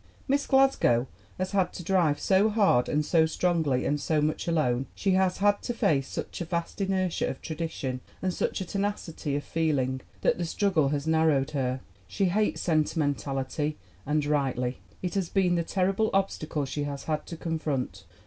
Miss Glasgow has had to drive so hard and so strongly and so much alone ; she has had to face such a vast inertia of tradition and such a tenacity of feeling, that the struggle has narrowed her. She hates sentimentality, and rightly. It has been the terrible obstacle she has had to confront.